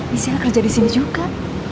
misalnya kerja di sini juga